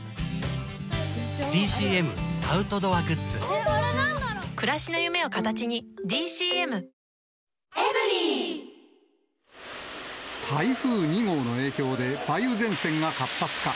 「ほんだし」で台風２号の影響で梅雨前線が活発化。